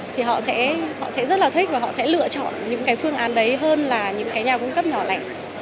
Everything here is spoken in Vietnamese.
thì họ sẽ rất là thích và họ sẽ lựa chọn những cái phương án đấy hơn là những cái nhà cung cấp nhỏ lẻ